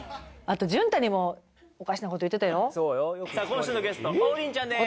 今週のゲスト王林ちゃんです